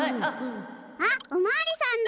あっおまわりさんだ。